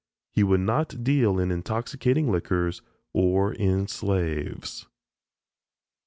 He would not deal in intoxicating liquors or in slaves."